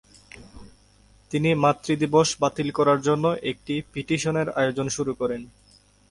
তিনি মাতৃ দিবস বাতিল করার জন্য একটি পিটিশনের আয়োজন শুরু করেন।